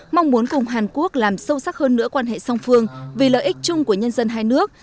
mong muốn cùng hàn quốc làm sâu sắc hơn nữa quan hệ song phương vì lợi ích chung của nhân dân hai nước